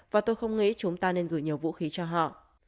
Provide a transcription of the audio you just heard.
và tôi không nghĩ chúng ta nên gửi nhiều vũ khí cho họ